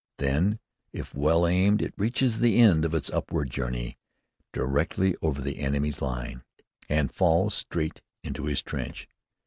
Then, if well aimed, it reaches the end of its upward journey directly over the enemy's line, and falls straight into his trench.